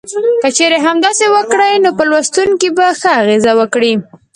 که چېرې همداسې وکړي نو په لوستونکو به ښه اغیز وکړي.